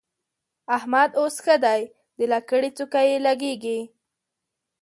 احمد اوس ښه دی؛ د لکړې څوکه يې لګېږي.